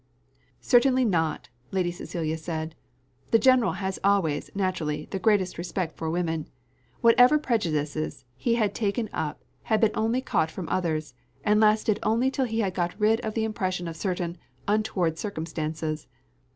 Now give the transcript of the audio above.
"Certainly not," Lady Cecilia said; "the general had always, naturally, the greatest respect for women. Whatever prejudices he had taken up had been only caught from others, and lasted only till he had got rid of the impression of certain 'untoward circumstances.